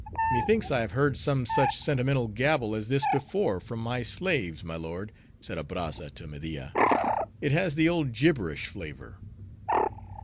"Methinks I have heard some such sentimental gabble as this before from my slaves, my lord," said Abrazza to Media. "It has the old gibberish flavor."